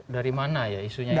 dari mana ya isunya itu